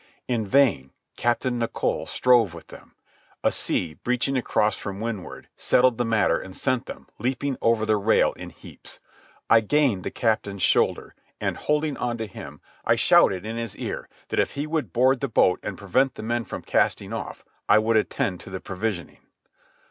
In vain Captain Nicholl strove with them. A sea, breaching across from windward, settled the matter and sent them leaping over the rail in heaps. I gained the captain's shoulder, and, holding on to him, I shouted in his ear that if he would board the boat and prevent the men from casting off, I would attend to the provisioning.